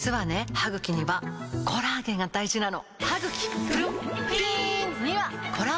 歯ぐきにはコラーゲンが大事なの！